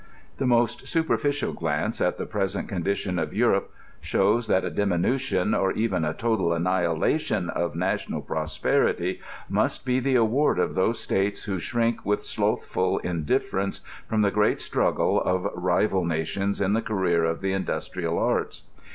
The most superficial glance at the present condition of £urope diows that a diminution, or even a total annihilation of na tional prosperity, must be the award of those states who shrink with slothful indifference from the great struggle of rival na tions in the career of the industrial arts.